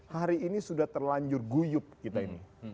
hari ini sudah terlanjur guyup kita ini